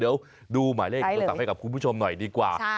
เดี๋ยวดูหมายเลขโทรศัพท์ให้กับคุณผู้ชมหน่อยดีกว่า